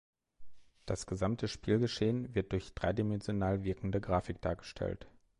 Das gesamte Spielgeschehen wird durch dreidimensional wirkende Grafik dargestellt.